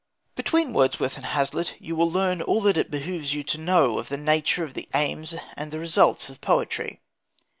Between Wordsworth and Hazlitt you will learn all that it behoves you to know of the nature, the aims, and the results of poetry.